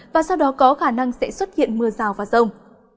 và sau đó có khả năng sẽ xuất hiện mưa rào và rông